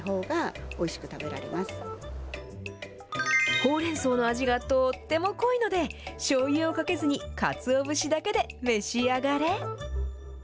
ほうれんそうの味がとっても濃いので、しょうゆをかけずに、かつお節だけで召し上がれ。